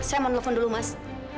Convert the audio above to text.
saya mau nelfon dulu mas